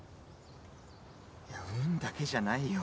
いや運だけじゃないよ。